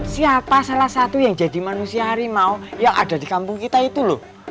siapa salah satu yang jadi manusia harimau yang ada di kampung kita itu loh